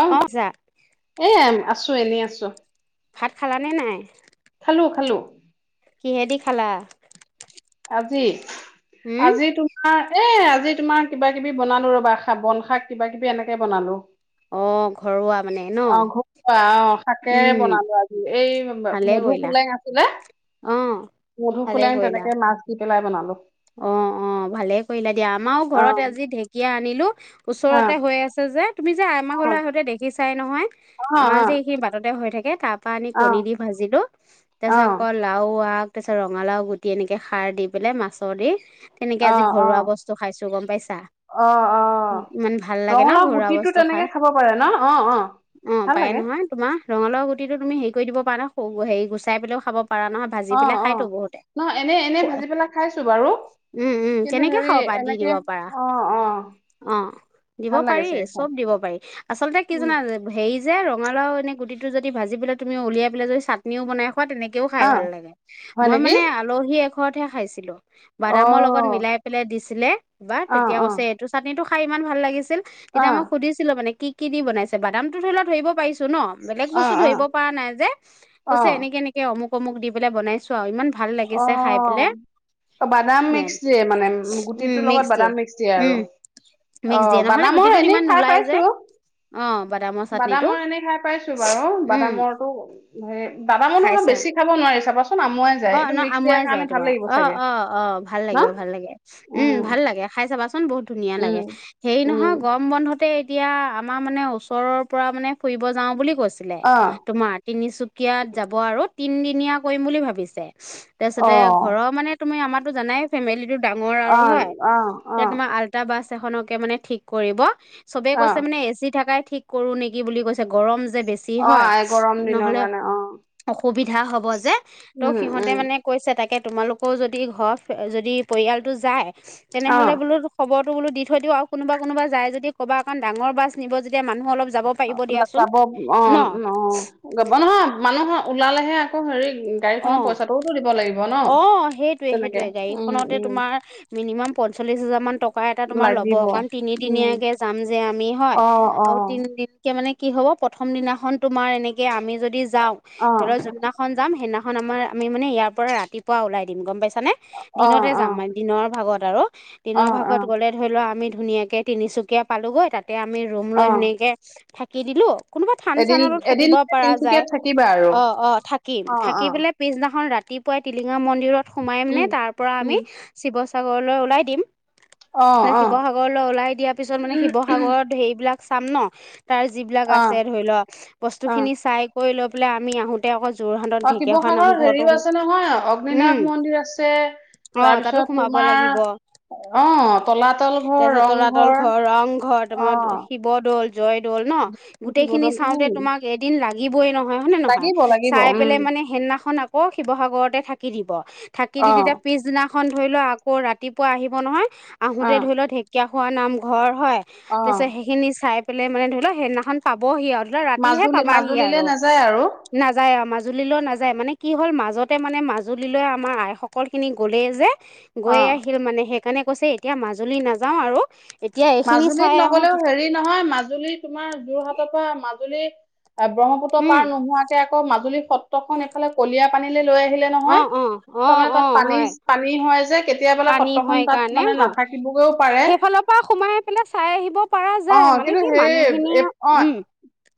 অঁ অ যা এ আছো এনেই আছোঁ। ভাত খালানে নাই? খালো খালো। কিহেঁদি খালা? আজি উম আজি তু- তৈমাৰ এ আজি তোমাৰ কিবা কিবি বনালো ৰবা, বন শাক কিবা কিবি এনেকে বনালো। অ ঘৰুৱা মানে ন অঁ ঘৰুৱা অঁ শাকে উম বনালো আজি, এই ভালে মধু কৰিলা ফুলেং আছে। ছিল অ মধু ফুলেং তেনেকে মাছ দি পেলাই বনালো। অঁ অঁ ভালে কৰিলা দিয়া আমাৰো অ ঘৰত আজি ঢেকীয়া আনিলোঁ- অ ওচৰতে হৈ আছে যে, তুমি যে আমাৰ ঘৰলে আহোতে দেখিছাই নহয়। অ আমাৰ যে এইখিনি বাটতে হৈ থাকে তাৰ পৰা আনি অ অ কণী দি ভাজিলো, তাৰ অ অ পিছত অকল- লাও আক তাৰ পিছত ৰঙালাও গুটি এনেকে খাৰ দি পেলাই মাছে দি- তেনেকে আজি ঘৰুৱা বস্তু খাইছোঁ গম পাইছা। অঁ অঁ ইমান ভাল লাগে ন ৰঙালাও ঘৰুৱা গুটিতটো তেনেকে খাব পাৰে ন অঁ অঁ। অঁ পায় নহয় তোমাৰ ৰঙালাও গুটিটো তুমি হেৰি কৰি দিব পাৰা নহয় হেৰি গুচাই পেলাইও খাব পাৰা নহয়। ভাজি অঁ পেলাই অঁ খাইতো বহুতে ন এনে এনে ভাজি পেলাই খাইছোঁ বাৰু। উমঁ উমঁ কিন্তু তেনেকে হেৰি খাব পাৰা দি এনেকে দিব পাৰা অ অ অঁ। দিব ভাল লাগে পাৰি চাগে খাই চব দিব পাৰি। আচলতে কি উম জানা? হেৰি যে ৰঙালাও এনেই গুটিটো যদি ভাজি পেলাই তুমি উলিয়াই পেলাই যদি চাটনিও বনাই খোৱা, তেনেকে কেও খাই অ ভাল লাগে, হয় মই নেকি মানে আলহী এঘৰতহে খাইছিলো। অ বাদামৰ লগত মিলাই পেলাই দিছিলে, বা অ তেতিয়া অ কৈছে এইটো চাটনিটো খাই ইমান ভাল লাগিছিল। অ তেতিয়া মই সুধিছিলো, মানে কি কি দি বনাইছে বাদামটো ধৰি ল ধৰিব পাৰিছো ন। বেলেগ অ অ বস্তু ধৰিব পৰা নাই যে, অ কৈছে এনেকে এনেকে অমুক অমুক দি পেলাই বনাইছো। অ' ইমান ভাল অ লাগিছে খাই পেলাই। বাদাম সেয়া মিক্স দিয়ে মানে, উম গুটিটোৰ মিক্স লগত বাদাম মিক্স দিয়ে উম আৰু। মিক্স দিয়ে অ' নহ'লে বাদামৰ গুটিটোত এনেই ইমান খাই নোলায় যে পাইছো। অ' বাদামত বাদামৰ এনেই খাই পাইছো বাৰু, বাদামৰতো হে বাদামৰো অলপ বেছি খাব নোৱাৰি চাবাচোন আমুৱাই যায় অ' এইটো ন মিক্স দিয়াৰ আমুৱাই যাই কাৰণে ভাল তোমাৰ, লাগিব অ' চাগে অ' অ' ভাল ন লাগিব ভাল লাগে উম ভাল লাগে খাই চাবাচোন বহুত ধুনীয়া লাগে। উম হেৰি নহয় উম গৰম বন্ধতে এতিয়া আমাৰ মানে ওচৰৰ পৰা মানে ফুৰিব যাওঁ বুলি কৈছিলে, অ তোমাৰ তিনিচুকীয়াত যাব আৰু, তিনদিনীয়া কৰিম বুলি ভাবিছে। অ তাৰপিছতে ঘৰৰ মানে তুমি আমাৰতো জানাই ফেমিলি টো ডাঙৰ অ আৰু হয়। অ এ অ তোমাৰ আল ল্ট্ৰা বাছ এখনকে মানে ঠিক কৰিব। চবে অ কৈছে মানে এ চি থাকাই ঠিক কৰো নেকি বুলি কৈছে গৰম যে বেছি যি অ হয় আই গৰম দিনৰ নহ'লে কাৰণে অ অসুবিধা হ'ব যে। তেওঁ উম সিহঁতে উম মানে কৈছে তাকে তোমালোকও যদি ঘৰ যদি পৰিয়ালটো যায়। অ তেনেহ'লে বোলো খবৰটো বোলো দি থৈ দিওঁ, আৰু কোনোবা কোনোবা যায় যদি ক'বা, কাৰণ ডাঙৰ বাছ নিব যেতিয়া মানুহ অলপ যাব পাৰিব লগ দিয়াচোন যাব অ' অ' ন যাব নহয় মানুহ ওলালেহে আকৌ হেৰি গাড়ীখনৰ অঁ পইচাটো অ' সেইটোয়ে সেইটোয়েই উম গাড়ীখনতে উম তোমাৰ মিনিমাম পঞ্চল্লিশ হাজাৰ মান টকা এটা তোমাৰ ল'ব। লাগিব কাৰণ উম তিনিদিনীয়াকে যাম যে আমি হয়, অ অ আৰু তিনদিন য়াকে মানে কি হ'ব প্ৰথম দিনাখন তোমাৰ এনেকে আমি যদি যাওঁ অ ধৰি ল যোনদিনা যাম, সেইদিনাখন আমাৰ আমি ইয়াৰ পৰা ৰাতিপুৱা ওলাই দিম গ'ম পাইছানে, অ দিনতে অ যাম মান দিনৰ ভাগত আৰু, অ দিনৰ অ ভাগত গ'লে ধৰি লোৱা আমি ধুনীয়াকে তিনিচুকীয়া পালোগৈ।, তাত আমি ৰুম অ লৈ ধুনীয়াকে থাকি দিলোঁ। কোনোবো এদিন থান-চানতো এদিন থাকিব মানে পৰা যায়। তিনচুকীয়াত থাকিবা আৰু অ' অ' থাকিম, অ অ থাকি পেলাই পিছদিনাখন ৰাতিপুৱাই টিলিঙা মন্দিৰত সোমাই মানে উম তাৰ পৰা আমি উম শিৱসাগৰলৈ ওলাই দিম। অ অ শিৱসাগৰলৈ ওলাই দিয়া পিছত মানে শিৱসাগৰত হেৰি বিলাক চাম ন। তাৰ যিবিলাক অ আছে ধৰি ল, অ বস্তুখিনি চাই কৰি লৈ পেলাই আমি আহো তে আকৌ যোৰহাটৰ ঢেকিয়াখোৱা নাম ঘৰটো অগ্নিনাথ মন্দিৰ আছে অ তাতো তাৰপিছত সোমাব লাগিব তোমাৰ অ' তলাতল ঘৰ তাৰপিছত তলাতল ৰংঘৰ ঘৰ, ৰংঘৰ, তোমাৰ অ' শিৱদৌল জয়দৌল ন, শিৱদৌল গোটেইখিনি উম চাওঁতে তোমাক কেইদিন লাগিবই নহয় হয়নে নহয়? লাগিব লাগিব চাই উম পেলাই মানে সেইদিনাখন আকৌ শিৱসাগৰত তে থাকি দিব। থাকি দি অ তেতিয়া পিছদিনাখন ধৰি লোৱা আকৌ ৰাতিপুৱা আহিব নহয় অ আহোঁতে ধৰি ল ঢেকীয়া খোৱা নাম ঘৰ হয়, অ তাৰপিছত সেইখিনি চাই পেলেই মানে ধৰি ল সেইদিনাখন পাবহি আৰু ধৰি ল ৰাতিহে মাজুলী পাবাহি মাজুলীলে আৰু। নাযায় আৰু নাযায় আমাৰ মাজুলীলৈ নাযায় মানে কি হ'ল মাজত তে মানে মাজুলীলৈ আমাৰ আইসকল খিনি গ'লেই যে অ গৈ আহিল মানে সেই সেইকাৰণে কৈছে এতিয়া মাজুলী নাযাও আৰু এতিয়া এইখিনি মাজুলীত চাই আহো নগলেও হেৰি নহয়, মাজুলী তোমাৰ যোৰহাটৰ পৰা মাজুলী [unintelligible] ত পাৰ নোহোৱাকে আকৌ মাজুলী সত্ৰখন এইফালে কলিয়া পানী লৈ আহিলে নহয়। অঁ অঁ তাৰমানে অঁ তাত অঁ পানী হয় পানী হয় যে কেতিয়াবা পানী হয় সত্ৰখন তাত মানে নাথাকিবগৈও পাৰে। অ', সোমাই পেলাই চাই আহিব। পৰা অ যায় মানে কিন্তু কি সেই এ মানুহখিনিয়ে অ উম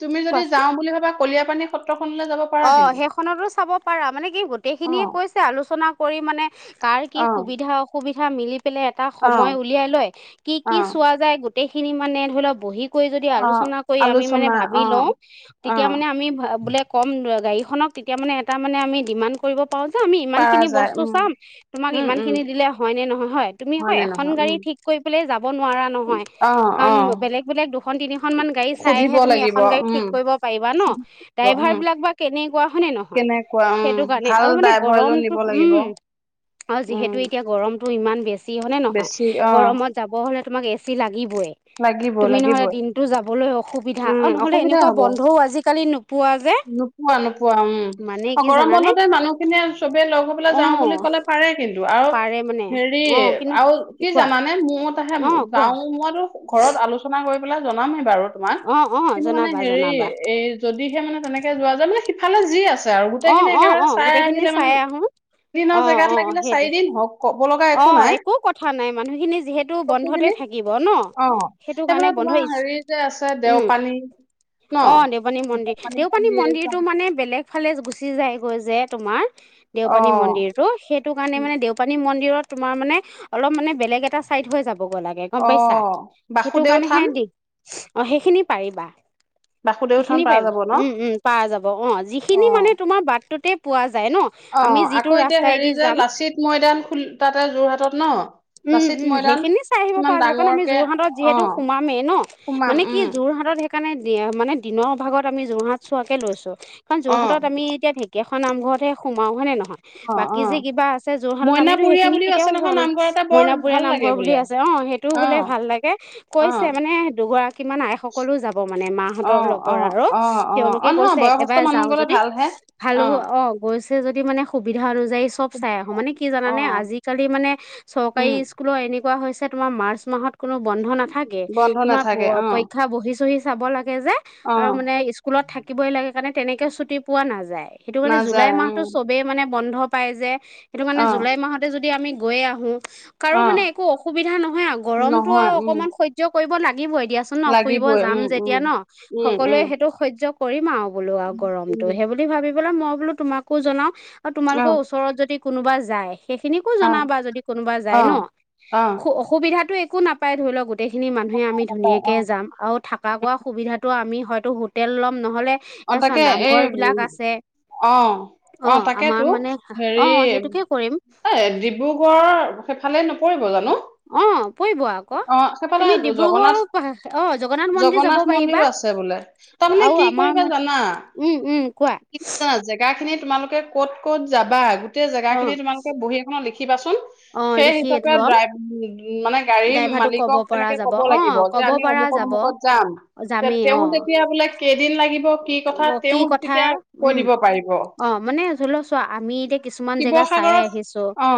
তুমি যদি কোৱাচোন যাও বুলি ভাবা কলিয়াপানী সত্ৰখনলৈ যাবা অ', সেইখনতো চাব পাৰা মানে কি অ গোটেইখিনি কৈছে আলোচনা কৰি মানে কাৰ কি অ সুবিধা অসুবিধা মিলি পেলাই এটা অ সময় উলিয়াই লয় কি অ কি চোৱা যায় গোটেইখিনি মানে ধৰি লওক বহি কয় যদি অ আলোচনা কৰি আমি‌ মানে আলোচনা ভাবি‌ অ লও অ তেতিয়া মানে আমি ভা বোলে কম গাড়ীখনক তেতিয়া মানে এটা মানে আমি ডিমাণ্ড কৰিব পাৰো যে আমি পাৰা ইমানখিনি যায় বস্তু উম চাম তোমাক উম ইমান উম খিনি দিলে হয় নে নহয় হয় তুমি আকৌ নে এখন নহয় গাড়ী উম ঠিক কৰি পেলাই যাব নোৱাৰা নহয়। অ অ কাৰণ বেলেগ বেলেগ দুখন তিনিখনমান গাড়ী সুধিব চাইহে তুমি লাগিব এখন গাড়ী উম ঠিক কৰিব পাৰিবা ন। সুধিব। ড্ৰাইভাৰ উম [unintelligible] বিলাক বা কেনেকুৱা হয়নে নহয়? কেনেকুৱা উম সেইটো কাৰণে ভাল আৰু মানে ড্ৰাইভৰ এজন নিব গৰমটো লাগিব উম। অ', উম যিহেতু এতিয়া গৰমটো ইমান বেছি হয়নে নহয় বেছি অ গৰমত যাব হলে তোমাক এ চি লাগিবই। লাগিব। তুমি নহলে দিনটো যাবলৈ অসুবিধা উম আৰু নহ'লে অসুবিধা এনেকুৱা বন্ধও আজিকালি নোপোৱা যে। পোৱা নোপোৱা উম, মানে কি গৰম জানানে বন্ধতে মানুহখিনিয়ে চবে লগ হৈ পেলাই অ' যাও বুলি ক'লে পাৰে কিন্তু। আৰু পাৰে মানে হেৰি অ' আৰু কিন্তু কি কোৱা জানানে মোৰত আহে অ' কোৱা গাও মো ঘৰত আলোচনা কৰি পেলাই জনামেই বাৰু তোমাক অ' অ' কিন্তু মানে জনাবা হেৰি জনাবা এই যদিহে মানে তেনেকে যোৱা যায় মানে সিফালে যি আছে আৰু গোটেইখিনি অ' অ' একেবাৰে অ চাই গোটেইখিনি আহিলে মানে চাই আহো। দিনৰ অ' জেগাত অ' লাগিলে সেইটোয়ে চাৰিদিন হওক ক'ব লগা অ নাই একো কথা নাই। মানুহখিনি যিহেতু বন্ধতে বস্তুখিনি থাকে [unintelligible] ন। অ', সেইটো কাৰণে সেইফালে তোমাৰ বন্ধ হেৰি যে আছে উম, দেওপানী ন অ', দেওপানী মন্দিৰ পানী দেওপানী মন্দিৰ মন্দিৰটো মানে বেলেগ [unintelligible] ফালে গুচি যায়গৈ যে তোমাৰ অ দেওপানী মন্দিৰ। ত সেইটো কাৰণে মানে দেউপানী মন্দিৰত তোমাৰ মানে অলপ মানে বেলেগ এটা চাইড হৈ যাব গ' লাগে। [unintelligible] গম পাইছা অ', সেইটো বাসুদেউ কাৰণেহে থান, দি অ সেইখিনি পাৰিবা বাসুদেউ থান সেইখিনি পাৰা পাৰিবা যাব ন? উম, উম, পাৰা যাব অ আজি অ', তোমাৰ বাটটোতে পোৱা যায় ন? আমি অ', যিটো আকৌ এতিয়া হেৰি ৰাস্তাইদি যে যাম লাচিত ময়দান খোল তাতে যোৰহাটত ন? উম, লাচিত উম, মৈদাম সেইখিনি চাই আহিব ইমান পাৰা যাব কাৰণ আমি ডাঙৰকে যোৰহাটত যিহেতু অ', সোমামেই ন? সোমাম মানে কি উম, যোৰহাটত হে সেইকাৰণে মানে দিনৰ ভাগত আমি যোৰহাট চোৱাকে লৈছো কাৰণ অ', যোৰহাটত আমি এতিয়া ঢেক‌ কেইখন নামঘৰতে সোমাও হয় নে নহয়? অ', বাকি যে অ', কিবা আছে যোৰহাটত আমি মইনাপুৰীয়া সেইখিনি বুলিও আছে কেতিয়াও যোৱা নহয় নাই। নামঘৰতে বৰ মইনাপুৰীয়া ভাল লাগে নামঘৰ বুলি বোলে। আছে অ' সেইটোও বোলে অ', ভাল লাগে কৈছে অ', মানে দুগৰাকী মান আইশ সকলো যাব মানে মাহঁতৰ অ', অ', লগৰ আৰু অ', অ', তেওঁলোকে অ', নহয় কৈছে বয়সস্থ একেবাৰে মানুহ যাও গ'লে যদি ভালহে। ভালো অ গৈছে যদি মানে সুবিধা অনুযায়ী চব চাই হ মানে কি জানানে অ', আজি আজিকালি মানে চৰকাৰী উম, স্কুলৰ এনেকুৱা হৈছে তোমাৰ মাৰ্চ মাহত কোনো বন্ধ নাথাকে বন্ধ তোমাৰ নাথাকে অ', পৰীক্ষা বহি চহি চাব লাগে যে আৰু অ', মানে স্কুলত থাকিবই লাগে কাৰণে তেনেকে ছুটি পোৱা নাযায় সেইটো কাৰণে জুলাই নাযায় উম, মাহটো চব বেই মানে বন্ধ পাই যে সেইটো মানে অ', জুলাই মাহতে যদি আমি গৈয়ে আহো কাৰো মানে অ', একো অসুবিধা নহয় আৰু গৰমতটো নহয় আৰু উম। অকণমান সয্য কৰিব লাগিব এ দিয়াচোন কা ন ফুৰিব লাগিবই যাম উম উম যেতিয়া ন উম সকলোৱে উম সেইটো সহ্য কৰিম আৰু বোলো আৰু গৰমটো উম সেই বুলি ভাবি পেলাই মই বোলো তোমাকো জনাও আৰু অ তোমালোকৰ ওচৰত যদি কোনোবা যায় সেইখিনিকো জনাবা যদি কোনোবা অ যায় ন অ খু অসুবিধাটো একো নাপায় ধৰি লো গোটেইখিনি মানুহে আমি অ তাকে অ ধুনীয়াকে যাম আৰু থা কা খোৱা সুবিধাটো আমি হয়তো হোটেল ল'ম নহ'লে অ এয়া চোৱা তাকে এই নামঘৰ বিলাক উম আছে অ অ আমাৰ তাকেইতো মানে হেৰি অ সেইটোকে কৰিম এহ ডি ব্ৰুগড়ৰ সেইফালে নপৰিব জানো অ পৰিব আকৌ অ সেইফালে তুমি ডিব্ৰুগড় জগন্নাথ অ মন্দিৰ যাব জগন্নাথ পাৰিবা মন্দিৰো আছে বোলে তাৰমানে আৰু কি আমাৰ কৰিবা জানা উম উম কোৱা [unintelligible] জেগা খিনি তোমালোকে ক'ত ক'ত যাবা গোটে জেগা অ খিনি তোমালোকে বহী এখনত লিখিবাচোন অ সেই লিখি হিচাপে লোৱা ড্ৰাই উ উম মানে গাড়ীৰ ড্ৰাইভাৰটোক ক'ব মালিকক পৰা এনেকে যাব ক'ব অ লাগিব যে ক'ব আমি পৰা অমুকত যাব অমুকত যাম তে যামেই তেওঁ তেতিয়া বোলে দিন লাগি অ কি কথা উম দিব পাৰিব অ মানে ধৰি লওঁ চোৱা আমি এতিয়া কিছুমান জেগা চাই শিৱসাগৰত আহিছো অ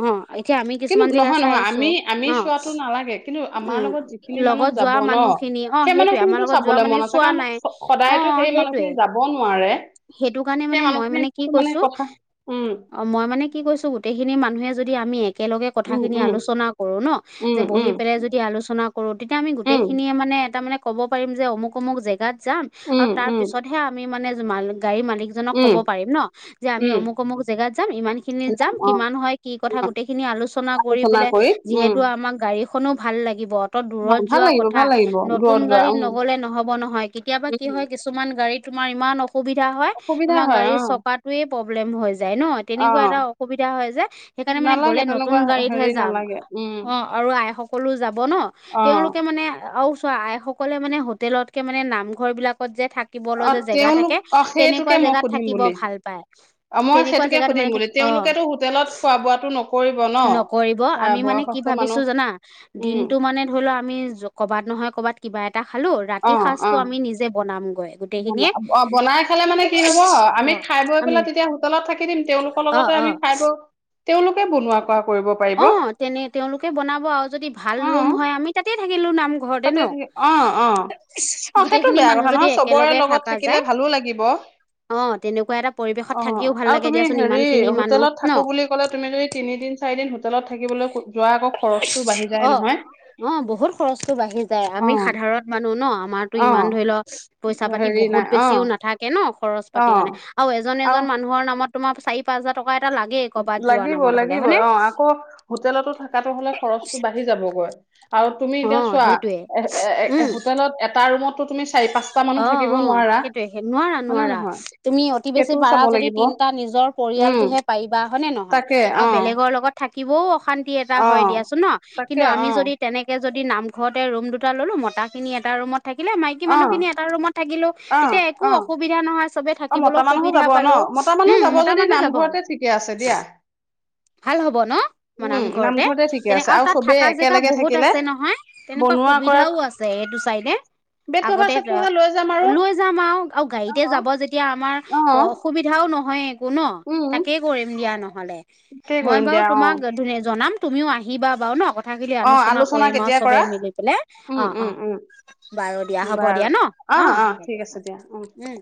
অ এতিয়া আমি কিন্তু কিছুমান জেগা নহয় চাই নহয় আহিছো আমি আমি অ চোৱাটো নালাগে কিন্তু আমাৰ উম লগত যিখিনি মানুহ লগত যাব যোৱা ন মানুহখিনি অ সেই সেইটোৱে আমাৰ মানুহখিনিতো লগত যোৱা চাবলৈ মন মানুহে আছে চোৱা কাৰণ নাই অ সদায়তো সেই সেইটোৱে মানুহখিনি যাব নোৱাৰে সেইটো কাৰণে সেই মানে মই মানুহখিনি মানে কি কৈছো কথা উম অ মই মানে কি কৈছো গোটেইখিনি মানুহে যদি আমি একেলগে কথাখিনি আলোচনা কৰো ন যে বহি পেলাই যদি আলোচনা কৰো তেতিয়া আমি গোটেই খিনিয়ে মানে এটা মানে ক'ব পাৰিম যে অমুক অমুক জেগাত যাম আৰু তাৰ পিছতহে আমি মানে মাল গাড়ীৰ মালিক জনক ক'ব পাৰিম ন যে আমি অমুক অমুক জেগাত যাম ইমান খিনি যাম কিমান হয় কি কথা গোটেইখিনি আলোচনা কৰি পেলাই যিহেতু আমাক গাড়ীখনো ভাল লাগিব ত অ দূৰত ভাল যোৱা লাগিব কথা ভাল লাগিব দূৰত নতুন যোৱা গাড়ীত উম, নগ'লে নহ'ব নহয় কেতিয়াবা কি উম, হয় কিছুমান গাড়ীত তোমাৰ ইমান অসুবিধা হয় অসুবিধা তোমাৰ হয় গাড়ীৰ অ', চোকাটোৱে প্ৰব্লেম হৈ যায় ন তেনেকুৱা অ', এটা অসুবিধা হয় যে সেইকাৰণে মানে গ'লে নালাগে নতুন তেনেকুৱা গাড়ীতহে হেৰি যাম নালাগে উম, অ আৰু আই সকলো যাব ন অ', তেওঁলোকে মানে আৰু চোৱা আইসকলে মানে হোটেলতকে মানে নামঘৰ বিলাকত যে থাক কিবলৈ অ', যে জেগা থাকে তেওঁলোক অ', তেনেকুৱা সেইটোকে মই জেগাত সুধিম থাকিব বুলি ভাল পায় অ', মই তেনেকুৱা সেইটোকে জেগাত সুধিম মানে বুলি থাকি অ তেওঁলোকেতো হোটেলত খোৱা বোৱাটো নকৰিব ন' নকৰিব আ আমি মানে কি বয়সস্থ ভাবিছো মানুহ জানা উম, দিনটো মানে ধৰি লোৱা আমি জ ক'ৰবাত নহয় ক'ৰবাত কিবা এটা খালো ৰাতিৰ অ', সাঁজটো অ'। আমি নিজে বনাম গৈ বনা অ বনাই খালে মানে কি হ'ব অ আমি খাই বৈ আমি পেলাই তেতিয়া হোটেলত থাকি দিম তেওঁলোকৰ অ লগতে অ আমি খাই বৈ তেওঁলোকে বনোৱা কৰা কৰিব পাৰিব অ তেনে তেওঁলোকে বনাব আৰু যদি ভাল অ ৰুম হয় আমি তাতে থাকিলো নাম ঘৰতে তাতে ন থাকি অ অ অ সেইটো গোটেইখিনি বেয়া মানুহ কথা যদি নহয় চবৰে একেলগে লগত থাকা থাকিলে যায় ভালো লাগিব অ তেনেকুৱা এটা পৰিৱেশত অ থাকিও ভাল লাগে দিয়াচোন ইমান খিনি মানুহ ন অকলে তুমি যদি তিনিদিন চাৰি দিন হোটেলত থাকিবলে যোৱা আকৌ খৰচতো বাঢ়ি যায় নহয়। অঁ বহুত খৰচটো বাঢ়ি যায় অ আমি সাধাৰণ মানুহ ন, আমাৰতো অ ইমান ধৰি ল পইচা পাতি হেৰি বহুত নাই অ বেছিও নাথা কে ন খৰচ অ পাতিৰ কাৰণে, আৰু এজন এজন মানুহৰ নামত তোমাৰ চাৰি পাঁচ হাজাৰ টকা এটা লাগেই ক'ৰবাত যোৱা নামত হ'লে, হয় নে? অঁ আকৌ হোটেলোতো থকাতো বোলে খৰচটো বাঢ়ি যাব গৈ, আৰু তু মি অ এতিয়া চোৱা সেইটোয়ে এ এ উম এহ হোটেলত এটা ৰুমততো তুমি চাৰি পাঁচ অঁহ অঁহ সেইটোৱে নোৱাৰা হয়নে নোৱাৰা। নহয় তুমি অতি বেছি সেইটোও পাৰা চাব যদি লাগিব তিনিটা নিজৰ উম পৰিয়ালটোহে পাৰি বা হয় নে নহয়, তাকে আৰু অ বেলেগৰ লগত থাকিবও অশা ন্তি এটা অ হয় দিয়াচোন ন, তাকে কিন্তু আমি অ যদি তেনে এতিয়া যদি নামঘৰতে ৰুম দুটা ল'লো, মতা খিনি এটা ৰুমত থাকিলে মাইকী অ মানুহখিনি এটা ৰুমত থাকিলো। অ তেতিয়া অ একো অসুবিধা নহয়। চবে অ মতা থাকিবলৈ মানুহো যাব সুবিধা ন পালো, মতা মানুহ উম যাব মতা যদি মানুহ যাব। নামঘৰতে ঠিকে আছে দিয়া ভাল হ'ব ন, মাৰ উম নামঘৰতে ঠিকে তেনে আছে আৰু তাত চবেই থাকা জেগা একেলগে বহুত থাকিলে আছে নহয়। তেনেকুৱা বনোৱা কৰা সুবিধাও আছে, এইটো চাইডে। বেড কভাৰ আগতে চেট যা কভাৰ লৈ যাম আৰু লৈই যাম আওঁ আৰু গাড়ীতে অ যাব যে তিয়া আমাৰ অ প অসুবিধাও নহয় একো ন, উম তাকেই কৰিম দিয়া নহ'লে। তাকেই মই কৰিম বাৰু দিয়া অ তোমাক ধিৰে জনাম ধুনীয়া জনাম, তুমিও আহিবা ‌বাৰু ন কথ থা খিনি আহিলে অ আলোচনা কৰিম আৰু কেতিয়া চবে কৰা মিলি পেলাই উম অঁ উম অঁ উম বাৰু দিয়া হ'ব বাৰু দিয়া ন, অ অঁ অ ঠিক আছে দিয়া উম।